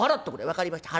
「分かりました。